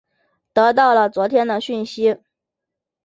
得到了昨天的讯息